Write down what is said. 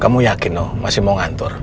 kamu yakin loh masih mau ngantor